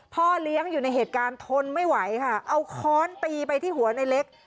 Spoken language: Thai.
พ่อเลี้ยงอยู่ในเหตุการณ์ทนไม่ไหวค่ะเอาค้อนตีไปที่หัวในเล็ก